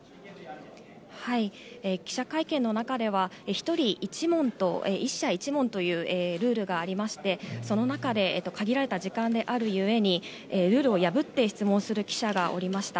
記者会見の中では、１人１問と、１社１問というルールがありまして、その中で、限られた時間であるゆえに、ルールを破って質問する記者がおりました。